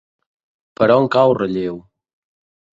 Per on cau Relleu?